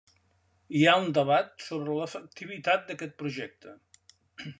Hi ha un debat sobre l’efectivitat d’aquest projecte.